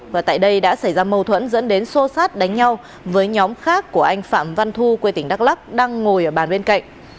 và tại đây đã xảy ra mâu thuẫn dẫn đến xô xát đánh nhau với nhóm khác của anh phạm văn thu quê tỉnh đắk lắc đang ngồi ở bàn bên cạnh